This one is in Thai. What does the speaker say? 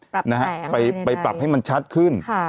ปรับแผงก็ได้ไปปรับให้มันชัดขึ้น